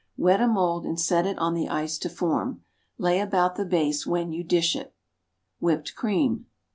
Wet a mould and set it on the ice to form. Lay about the base when you dish it. Whipped Cream.